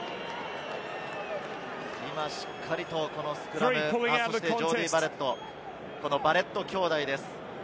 しっかりとスクラム、そしてジョーディー・バレット、バレット兄弟です。